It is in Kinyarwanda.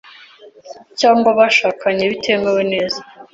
cyangwa bashakanye bitemewe neza